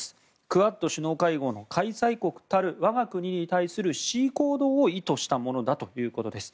クアッド首脳会合の開催国たる我が国に対する示威行動を意図したものだということです。